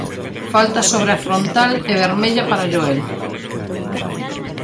Falta sobre a frontal e vermella para Joel.